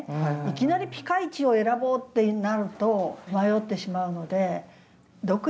いきなりピカイチを選ぼうってなると迷ってしまうので。